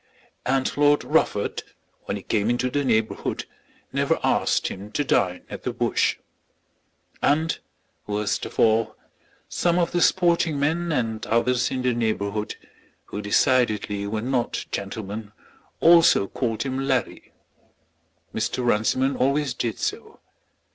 And Lord Rufford, when he came into the neighbourhood, never asked him to dine at the Bush. And worst of all, some of the sporting men and others in the neighbourhood, who decidedly were not gentlemen, also called him "Larry." Mr. Runciman always did so.